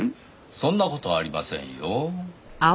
そんな事はありませんよ。